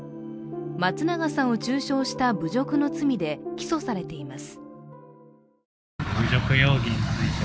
松永さんを中傷した侮辱の罪で起訴されています。